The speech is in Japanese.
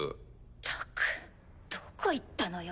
ったくどこ行ったのよ